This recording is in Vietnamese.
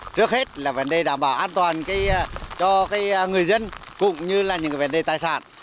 trước hết là vấn đề đảm bảo an toàn cho người dân cũng như là những vấn đề tài sản